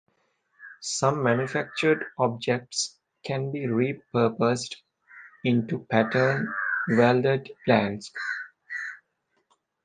Some manufactured objects can be re-purposed into pattern welded blanks.